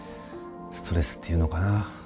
ストレスって言うのかな？